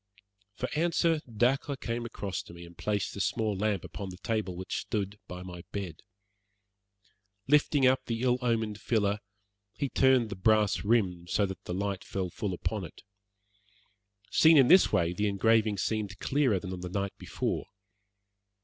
For answer Dacre came across to me, and placed the small lamp upon the table which stood by my bed. Lifting up the ill omened filler, he turned the brass rim so that the light fell full upon it. Seen in this way the engraving seemed clearer than on the night before.